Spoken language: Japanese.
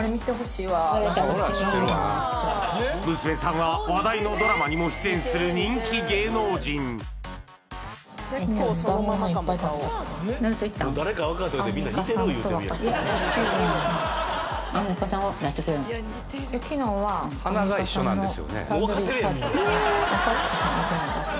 娘さんは話題のドラマにも出演する人気芸能人ええの女性です